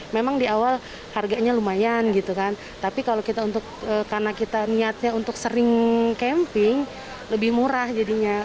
memang di awal harganya lumayan gitu kan tapi kalau kita untuk karena kita niatnya untuk sering camping lebih murah jadinya